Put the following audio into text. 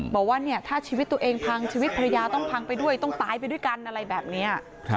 บอกว่าเนี่ยถ้าชีวิตตัวเองพังชีวิตภรรยาต้องพังไปด้วยต้องตายไปด้วยกันอะไรแบบนี้